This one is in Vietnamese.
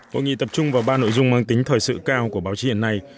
hội nghị tập trung vào ba nội dung mang tính thời sự cao của báo chí hiện nay